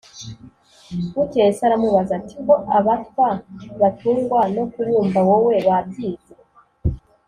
Bukeye se aramubwira ati: "Ko abatwa batungwa no kubumba wowe wabyize